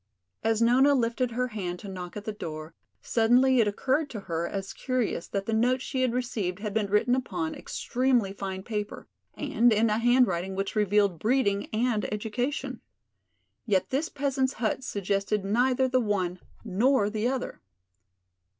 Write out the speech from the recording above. As Nona lifted her hand to knock at the door, suddenly it occurred to her as curious that the note she had received had been written upon extremely fine paper and in a handwriting which revealed breeding and education. Yet this peasant's hut suggested neither the one nor the other.